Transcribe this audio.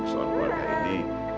suatu perjalanan ini